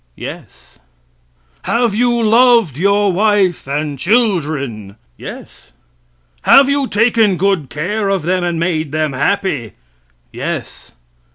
"Yes." "Have you loved your wife and children?" "Yes." "Have you taken good care of them and made them happy?" "Yes."